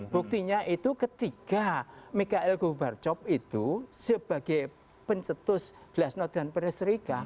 buktinya itu ketika mikael gohbarjob itu sebagai pencetus glasnot dan peres rika